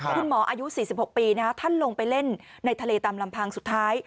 คุณหมออายุ๔๖ปีท่านลงไปเล่นในทะเลตามลำพังสุดท้าย